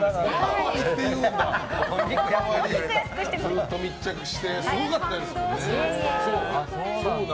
ずっと密着してすごかったですからね。